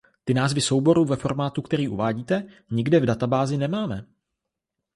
Ty názvy souborů ve formátu, který uvádíte, nikde v databázi nemáme.